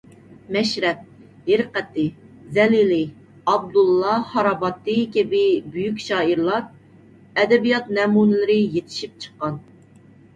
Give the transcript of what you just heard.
مەشرەپ، ھىرقەتى، زەلىلىي، ئابدۇللاھ خاراباتىي كەبى بۈيۈك شائىرلار، ئەدەبىيات نەمۇنىلىرى يېتىشىپ چىققان.